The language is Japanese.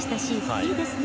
いいですね。